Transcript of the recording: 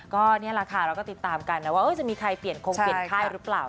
ก็นี่แหละค่ะเราก็ติดตามกันนะว่าจะมีใครเปลี่ยนคงเปลี่ยนค่ายหรือเปล่า